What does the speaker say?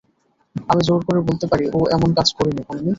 আমি জোর দিয়ে বলতে পারি, ও এমন কাজ করেনি, পোন্নি।